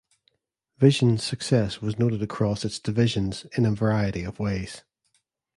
Vision's success was noted across its divisions in a variety of ways.